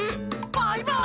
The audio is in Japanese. バイバーイ！